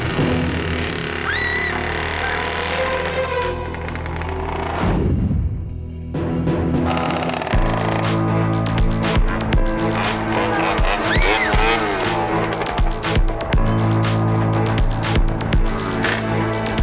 sampai ketemu lagi